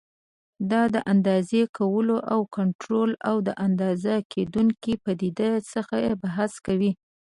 دا د اندازې کولو او کنټرول او د اندازه کېدونکو پدیدو څخه بحث کوي.